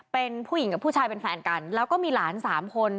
เป็นผู้หญิงกับผู้ชายเป็นแฟนกันแล้วก็มีหลานสามคน